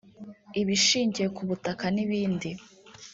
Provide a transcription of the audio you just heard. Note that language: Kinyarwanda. ibishingiye ku butaka n’ibindi